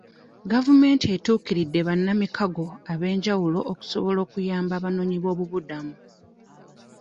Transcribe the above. Gavumenti etuukiridde bannamikago ab'enjawulo okusobola okuyamba abanoonyiboobubudamu.